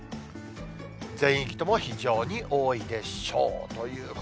全域とも非常に多いでしょう。